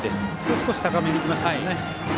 少し高めにきましたね。